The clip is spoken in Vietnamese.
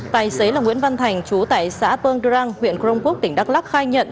tài xế là nguyễn văn thành chú tại xã pương đương huyện crong quốc tỉnh đắk lắc khai nhận